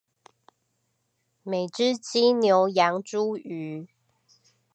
每隻雞牛羊豬魚